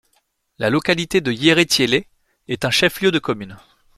La localité de Yérétiélé est un chef-lieu de commune.